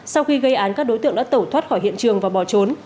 sau khi gây án các đối tượng đã tẩu thoát khỏi hiện trường và bỏ trốn